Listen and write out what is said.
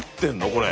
これ。